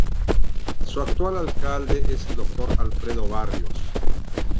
Su actual Alcalde es el Dr. Alfredo Barrios.